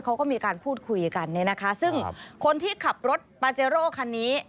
เขาก็มีการพูดคุยกันเนี่ยนะคะซึ่งคนที่ขับรถปาเจโร่คันนี้